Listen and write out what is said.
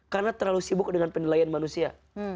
karena terlalu sibuk dengan penilaian manusia